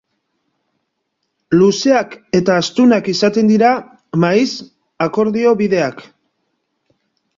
Luzeak eta astunak izaten dira maiz akordio-bideak.